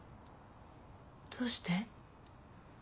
どうして？